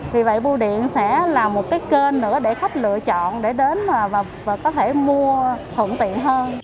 vì vậy bưu điện sẽ là một cái kênh nữa để khách lựa chọn để đến và có thể mua thuận tiện hơn